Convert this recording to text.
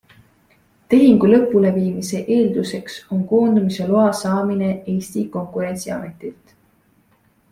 Tehingu lõpuleviimise eelduseks on koondumise loa saamine Eesti konkurentsiametilt.